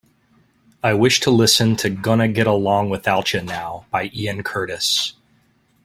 I wish to listen to Gonna Get Along Without Ya Now by Ian Curtis.